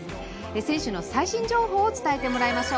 選手の最新情報を伝えてもらいましょう。